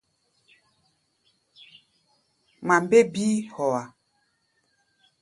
Ŋma mbé bíí hɔá.